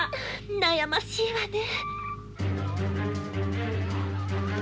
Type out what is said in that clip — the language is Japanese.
悩ましいわねえ。